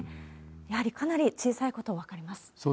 やはりかなり小さいこと分かります。